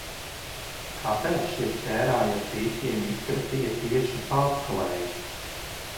"Kāpēc šie ķērāji ar pīķiem "izkratīja" tieši "Palckalējus"?"